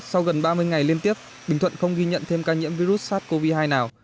sau gần ba mươi ngày liên tiếp bình thuận không ghi nhận thêm ca nhiễm virus sars cov hai nào